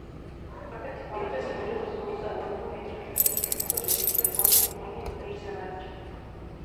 Juan Casimiro sostuvo Sajonia-Coburgo, mientras que Juan Ernesto recibió Sajonia-Eisenach.